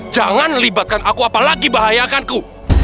jangan libatkan aku apalagi bahayakanku